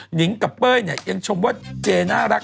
นิงกับเป้ยเนี่ยยังชมว่าเจน่ารัก